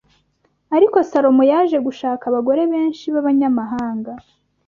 Ariko Salomo yaje gushaka abagore benshi b’abanyamahanga